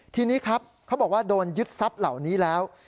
ทีนี้ครับเขาบอกว่าโดนยึดทรัพย์เหล่านี้แล้ว